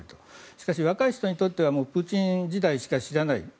しかし、若い人にとってはプーチン時代しか知らない。